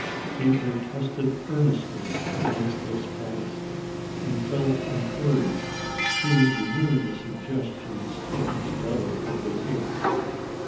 He protested earnestly against this policy, and felt encouraged to renew the suggestions of his letter of the 8th.